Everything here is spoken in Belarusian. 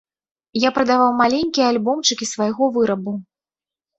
Я прадаваў маленькія альбомчыкі свайго вырабу.